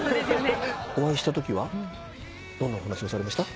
お会いしたときはどんなお話をされました？